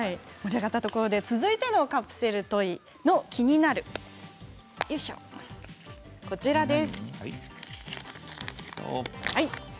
続いてのカプセルトイの「キニナル」はこちらです。